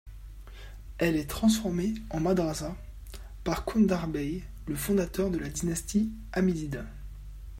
Elle est transformée en madrasa par Dündar Bey, le fondateur de la dynastie hamidide.